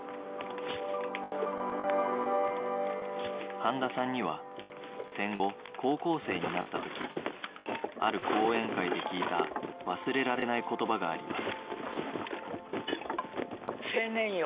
飯田さんには戦後高校生になった時ある講演会で聞いた忘れられない言葉があります